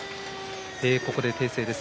ここで訂正です。